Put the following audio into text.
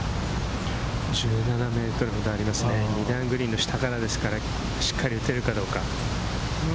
１７ｍほどありまして、２段グリーンの下からですから、しっかり打てるかどうか。